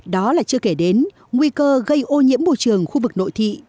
đó là chưa kể đến nguy cơ gây ô nhiễm môi trường khu vực nội thị